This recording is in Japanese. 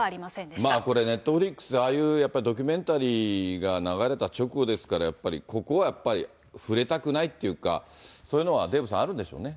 まあ、これ、ネットフリックスでああいうドキュメンタリーが流れた直後ですから、やっぱり、ここはやっぱり触れたくないっていうか、そういうのはデーブさん、あるんでしょうね。